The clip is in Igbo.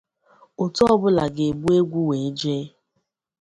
Otu ọbụla ga-ebu egwu wee jee